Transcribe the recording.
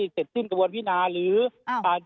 คือในวันเรื่อยและละรับ